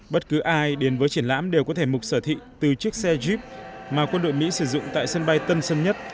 bất cứ ai đến với triển lãm đều có thể mục sở thị từ chiếc xe jeep mà quân đội mỹ sử dụng tại sân bay tân sơn nhất